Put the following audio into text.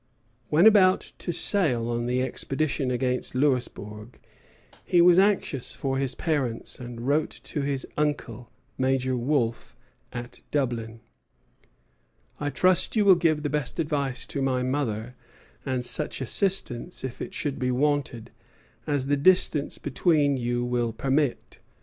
When about to sail on the expedition against Louisbourg, he was anxious for his parents, and wrote to his uncle, Major Wolfe, at Dublin: "I trust you will give the best advice to my mother, and such assistance, if it should be wanted, as the distance between you will permit.